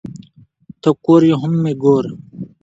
ته کور یې هم مې گور